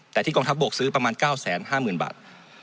แต่ที่กองทัพบกซื้อประมาณ๙๕๐๐๐บาท